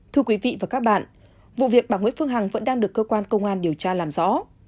thưa quý vị và các bạn vụ việc bà nguyễn phương hằng vẫn đang được cơ quan công an điều tra làm rõ